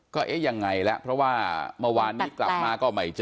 ก็เอ๊ะยังไงแล้วเพราะว่าเมื่อวานนี้กลับมาก็ไม่เจอ